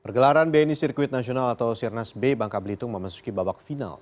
pergelaran bni sirkuit nasional atau sirnas b bangka belitung memasuki babak final